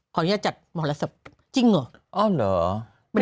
ขออนุญาตจัดหมดละ๑๐จริงเหรอ